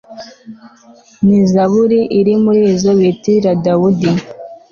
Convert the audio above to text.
ni zaburi iri mu zo bitirira dawudi